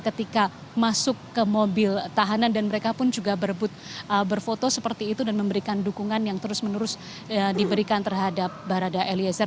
ketika masuk ke mobil tahanan dan mereka pun juga berfoto seperti itu dan memberikan dukungan yang terus menerus diberikan terhadap barada eliezer